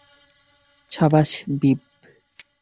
সাবাশ, ফিব!